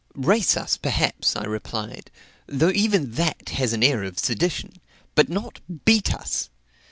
"Race us perhaps," I replied, "though even that has an air of sedition, but not beat us.